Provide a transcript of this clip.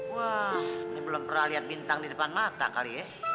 wah ini belum pernah lihat bintang di depan mata kali ya